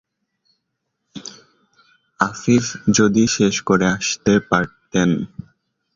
আফিফ যদি শেষ করে আসতে পারতেন!